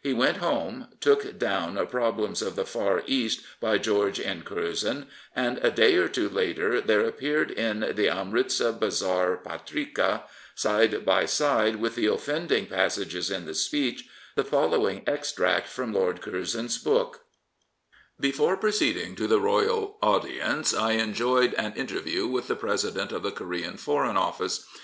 He went home, took down Problems of the Far East, by George N. Curzon, and a day or two later there appeared in the Amritsa Bazar Patrika, side by side with the offending passages in the speech, the following extract from Lord Curzon 's book : Before proceeding to the Royal audience I enjoyed an inter view with the President of the Korean Foreign Office.